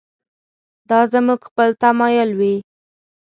دا زموږ خپل تمایل وي.